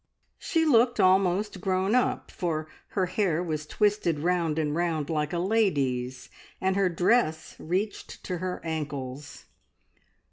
She looked almost grown up, for her hair was twisted round and round like a lady's, and her dress reached to her ankles.